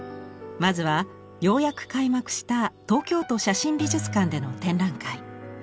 まずはようやく開幕した東京都写真美術館での展覧会。